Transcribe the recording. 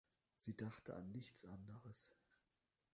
Sie dachte an nichts anderes.